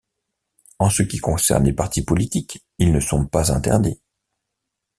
En ce qui concerne les partis politiques, ils ne sont pas interdits.